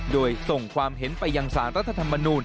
โดยส่งความเห็นไปยังสารรัฐธรรมนูล